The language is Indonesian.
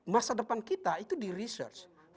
masa depan kita itu di research